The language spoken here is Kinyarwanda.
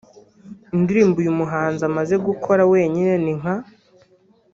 Indirimbo uyu muhanzi amaze gukora wenyine ni nka